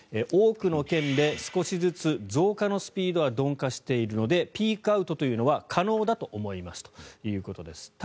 多くの県で少しずつ増加のスピードは鈍化しているのでピークアウトというのは可能だと思いますということです。